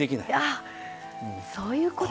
あそういうこと。